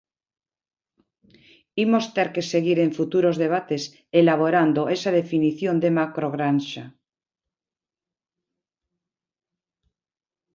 Imos ter que seguir, en futuros debates, elaborando esa definición de macrogranxa.